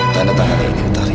tanda tangannya ini utari